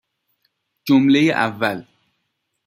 جمله اول.